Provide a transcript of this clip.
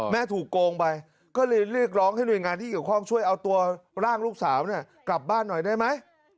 แม่ถูกโกงไปก็เลยเรียกร้องให้หน่วยงานที่เกี่ยวข้องช่วยเอาตัวร่างลูกสาวกลับบ้านหน่อยได้ไหม